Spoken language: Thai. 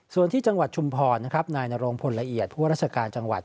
ส่วนที่จังหวัดชุมพรนะครับนายนโรงพลละเอียดผู้ราชการจังหวัด